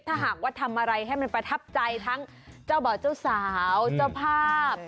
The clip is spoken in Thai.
ถ้าหากว่าทำอะไรให้มันประทับใจทั้งเจ้าบ่าวเจ้าสาวเจ้าภาพ